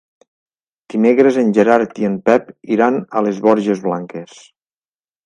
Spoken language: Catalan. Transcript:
Dimecres en Gerard i en Pep iran a les Borges Blanques.